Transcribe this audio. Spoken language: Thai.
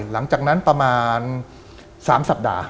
หลังจากนั้นประมาณ๓ศัพท์